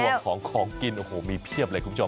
ของของกินโอ้โหมีเพียบเลยคุณผู้ชม